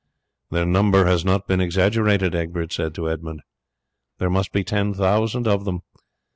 "Their number has not been exaggerated," Egbert said to Edmund, "there must be ten thousand of them.